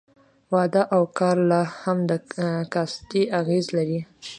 واده او کار لا هم د کاستي اغېز لري.